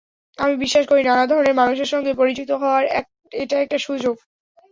আমি বিশ্বাস করি, নানা ধরনের মানুষের সঙ্গে পরিচিত হওয়ার এটা একটা সুযোগ।